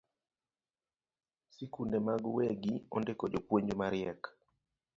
Sikunde mag wegi ndiko jopuonj mariek